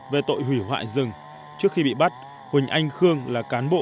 về tội hủy hoại rừng trước khi bị bắt huỳnh anh khương là cán bộ